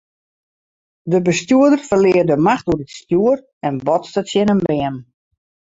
De bestjoerder ferlear de macht oer it stjoer en botste tsjin in beam.